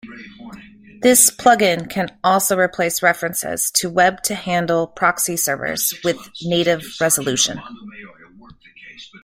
This plug-in can also replace references to web-to-handle proxy servers with native resolution.